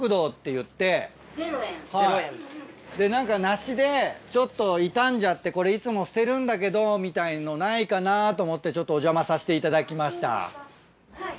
梨でちょっと傷んじゃってこれいつも捨てるんだけどみたいのないかなと思ってお邪魔させていただきました。